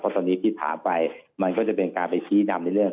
ตอนนี้ที่ถามไปมันก็จะเป็นการไปชี้นำในเรื่อง